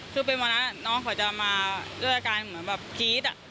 คือเป็นวันนั้นน้องเขาจะมาด้วยอาการเหมือนแบบกรี๊ด